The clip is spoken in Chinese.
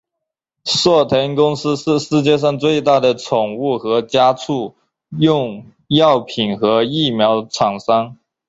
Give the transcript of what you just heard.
硕腾公司是世界上最大的宠物和家畜用药品和疫苗厂商。